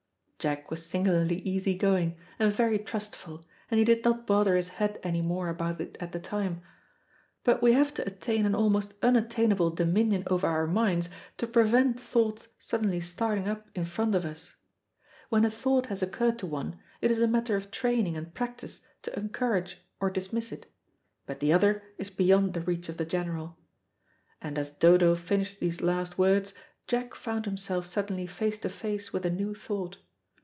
Jack was singularly easy going, and very trustful, and he did not bother his head any more about it at the time. But we have to attain an almost unattainable dominion over our minds to prevent thoughts suddenly starting up in front of us. When a thought has occurred to one, it is a matter of training and practice to encourage or dismiss it, but the other is beyond the reach of the general. And as Dodo finished these last words, Jack found himself suddenly face to face with a new thought.